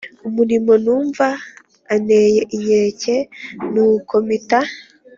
Umuriro numva anteye inkeke nuko mpita